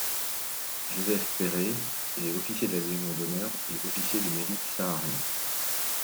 Joseph Peyré est officier de la Légion d'honneur et officier du Mérite saharien.